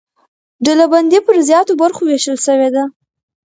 ډلبندي پر زیاتو برخو وېشل سوې ده.